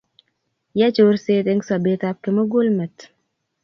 yaa chorset eng sobetab kimugulmet